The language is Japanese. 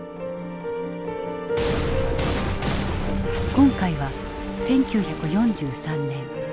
今回は１９４３年。